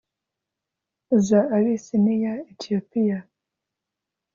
za Abisiniya (Ethiopia)